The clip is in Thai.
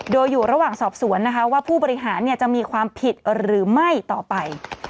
โดยอยู่ระหว่างสอบสวนนะคะว่าผู้บริหารจะมีความผิดหรือไม่ต่อไป